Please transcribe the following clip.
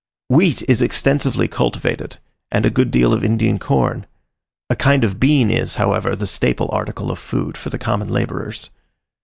Wheat is extensively cultivated, and a good deal of Indian corn: a kind of bean is, however, the staple article of food for the common labourers.